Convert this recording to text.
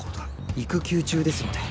育休中ですので。